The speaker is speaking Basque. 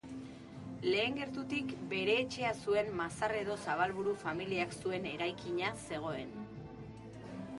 Lehen gertutik bere etxea zuen Mazarredo-Zabalburu familiak zuen eraikina zegoen.